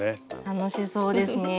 楽しそうですね。